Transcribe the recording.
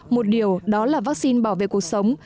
một điều đó là vaccine bảo vệ cuộc sống